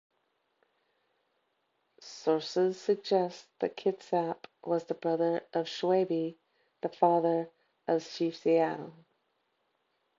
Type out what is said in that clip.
Sources suggest that Kitsap was the brother of Schweabe, the father of Chief Seattle.